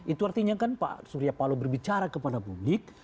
itu artinya pak surya palu berbicara kepada publik